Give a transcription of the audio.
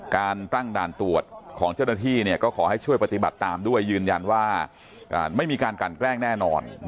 การตั้งด่านตรวจของเจ้าหน้าที่ก็ขอให้ช่วยปฏิบัติตามด้วยยืนยันว่าไม่มีการกันแกล้งแน่นอน